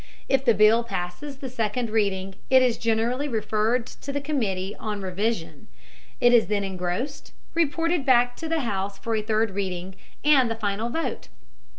If the bill passes the second reading, it is generally referred to the committee on revision. It is then engrossed, reported back to the house for the third reading and the final vote.